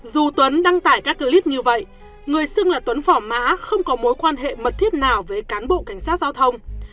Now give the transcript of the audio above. dù tuấn đăng tải các clip như vậy người xưng là tuấn phỏ mã không có mối quan hệ mật thiết nào với cán bộ cảnh sát giao thông